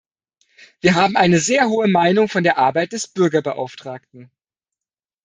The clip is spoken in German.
Wir haben eine sehr hohe Meinung von der Arbeit des Bürgerbeauftragten.